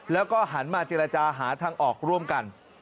แล้วก็หันมาเจรจาหาทางออกร่วมกัน